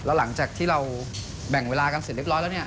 หลังจากที่เราแบ่งเวลากันเสร็จเรียบร้อยแล้วเนี่ย